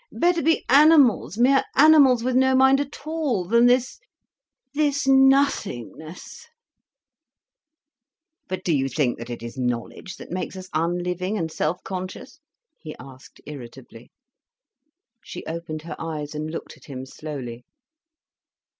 Better be animals, mere animals with no mind at all, than this, this nothingness—" "But do you think it is knowledge that makes us unliving and self conscious?" he asked irritably. She opened her eyes and looked at him slowly.